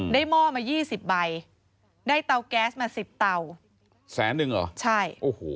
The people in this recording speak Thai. ได้หม้อมา๒๐ใบได้เตาแก๊สมา๑๐เตาแสนหนึ่งเหรอใช่